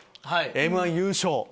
『Ｍ−１』優勝。